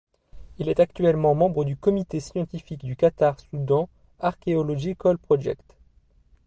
Il est actuellement membre du Comité scientifique du Qatar Soudan Archaeological Project.